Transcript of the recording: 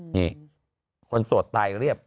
นี่คนโสดตายเรียบ